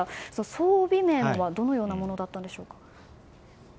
装備面は、どのようなものだったんでしょうか。